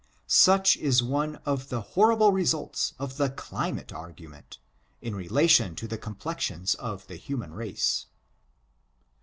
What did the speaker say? fiuch is one of the horrible results of the clim ate argument, in relation to the complexions of the human race.